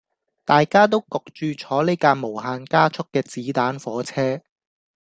大家都焗住坐呢架無限加速嘅子彈火車